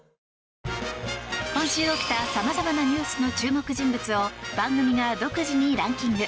今週起きたさまざまなニュースの注目人物を番組が独自にランキング。